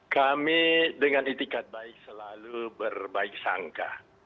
kami dengan itikat baik selalu berbaik sangka